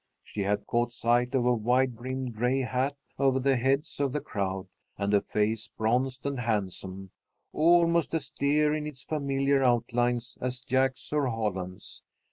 She had caught sight of a wide brimmed gray hat over the heads of the crowd, and a face, bronzed and handsome, almost as dear in its familiar outlines as Jack's or Holland's.